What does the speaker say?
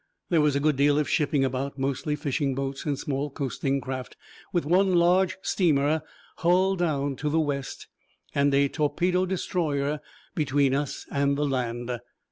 There was a good deal of shipping about, mostly fishing boats and small coasting craft, with one large steamer hull down to the west, and a torpedo destroyer between us and the land.